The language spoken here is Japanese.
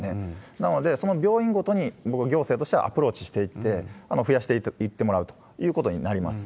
なので、その病院ごとに行政としてはアプローチしていって、増やしていってもらうということになります。